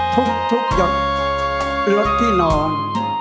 ทุกหยดรถที่นอน